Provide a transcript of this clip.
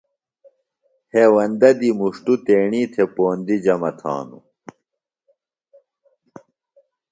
ہیوندہ دی مُݜٹوۡ تیݨی تھےۡ پوندی جمہ تھانوۡ۔